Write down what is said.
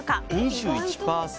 ２１％。